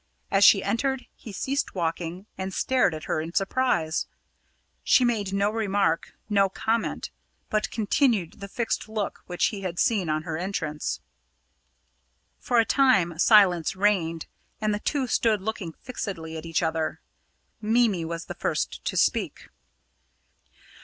As she entered, he ceased walking, and stared at her in surprise. She made no remark, no comment, but continued the fixed look which he had seen on her entrance. For a time silence reigned, and the two stood looking fixedly at each other. Mimi was the first to speak.